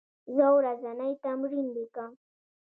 زه ورځنی تمرین لیکم.